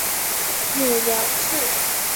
母梁氏。